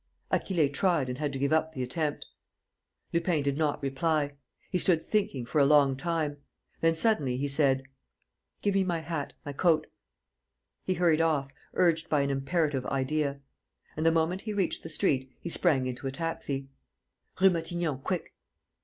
Achille tried and had to give up the attempt. Lupin did not reply. He stood thinking for a long time. Then, suddenly, he said: "Give me my hat ... my coat...." He hurried off, urged by an imperative idea. And, the moment he reached the street, he sprang into a taxi: "Rue Matignon, quick!..."